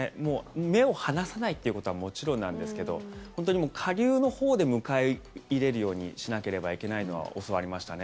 目を離さないってことはもちろんなんですけど下流のほうで迎え入れるようにしなければいけないのは教わりましたね。